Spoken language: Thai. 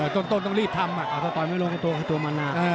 ต้นต้องรีบทำถ้าต่อยไม่ลงให้ตัวมันน่ะ